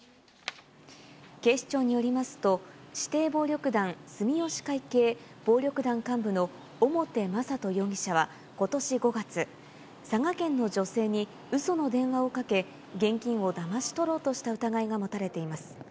警視庁によりますと、指定暴力団住吉会系暴力団幹部の表雅人容疑者はことし５月、佐賀県の女性にうその電話をかけ、現金をだまし取ろうとした疑いが持たれています。